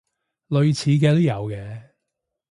類似嘅都有嘅